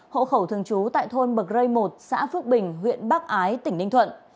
hộ khẩu thường trú tại thôn bậc rây một xã phước bình huyện bắc ái tỉnh ninh thuận